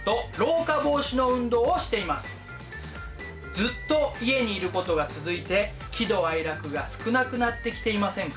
ずっと家にいることが続いて喜怒哀楽が少なくなってきていませんか？